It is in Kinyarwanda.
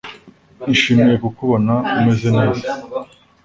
nishimiye kukubona umeze neza.